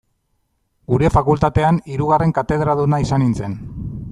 Gure fakultatean, hirugarren katedraduna izan nintzen.